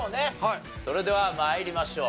それでは参りましょう。